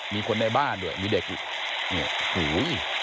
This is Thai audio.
มีคนในบ้านด้วยมีเด็กอยู่